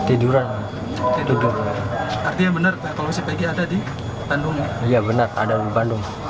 iya benar ada di bandung